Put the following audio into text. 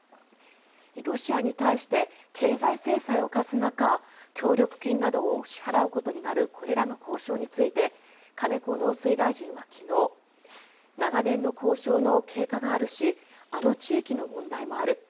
ロシアに対して経済制裁を科す中協力金などを支払うことになるこれらの交渉について金子農水大臣は昨日長年の交渉の経過があるしあの地域の問題もある。